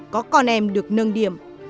có con em được nâng điểm